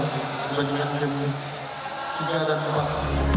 dibandingkan jam tiga dan empat